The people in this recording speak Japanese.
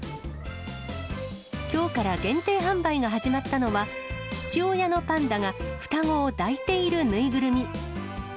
きょうから限定販売が始まったのは、父親のパンダが双子を抱いている縫いぐるみ。